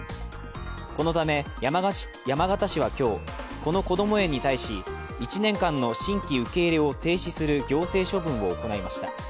このため、山形市は今日、このこども園に対し１年間の新規受け入れを停止する行政処分を行いました。